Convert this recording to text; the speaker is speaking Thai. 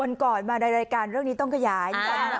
วันก่อนมาในรายการเรื่องนี้ต้องขยาย